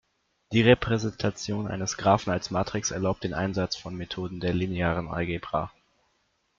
Die Repräsentation eines Graphen als Matrix erlaubt den Einsatz von Methoden der linearen Algebra.